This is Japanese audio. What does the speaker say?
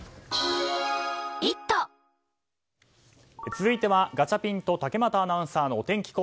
続いてはガチャピンと竹俣アナウンサーのお天気。